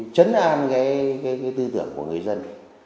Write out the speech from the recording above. trấn an tư tưởng của người dân